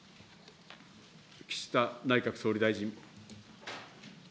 岸田内閣総理大臣。